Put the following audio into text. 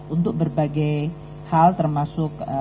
untuk berbagai hal termasuk